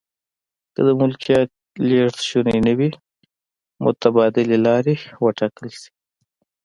که د ملکیت لیږد شونی نه وي متبادلې لارې و ټاکل شي.